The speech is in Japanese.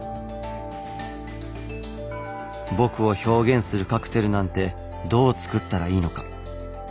僕を表現するカクテルなんてどう作ったらいいのか。